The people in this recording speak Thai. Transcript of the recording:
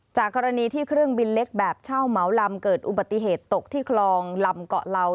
จากกรณีที่เครื่องบินเล็กแบบเช่าเหมาลำเกิดอุบัติเหตุตกที่คลองลำเกาะเหลา